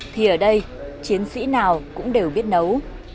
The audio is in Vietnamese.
thì ở đây chiến sĩ nào cũng đều biết nấu